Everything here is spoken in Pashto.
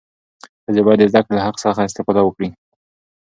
ښځې باید د زدهکړې له حق څخه استفاده وکړي.